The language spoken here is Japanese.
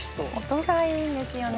音がいいんですよね